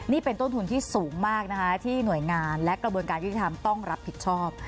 นี่เป็นต้นทุนที่สูงมากนะคะที่หน่วยงานและกระบวนการยุติธรรมต้องรับผิดชอบ